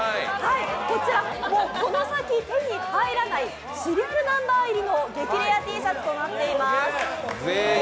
こちらこの先手に入らないシリアルナンバー入りの激レアＴシャツとなっております。